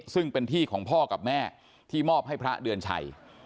ซึ่งเป็นที่ของพ่อกับแม่ที่มอบให้พระเดือนชัย